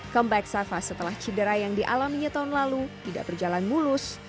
comeback safa setelah cedera yang dialaminya tahun lalu tidak berjalan mulus